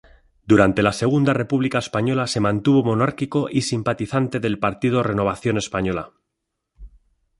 Durante la Segunda República Española se mantuvo monárquico y simpatizante del partido Renovación Española.